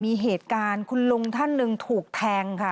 มีเหตุการณ์คุณลุงท่านหนึ่งถูกแทงค่ะ